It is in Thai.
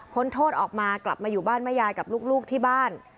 โทษออกมากลับมาอยู่บ้านแม่ยายกับลูกที่บ้าน